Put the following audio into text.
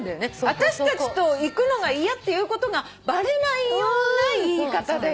私たちと行くのが嫌っていうことがバレないような言い方だよね。